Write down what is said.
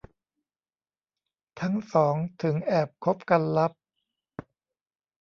ทั้งสองถึงแอบคบกันลับ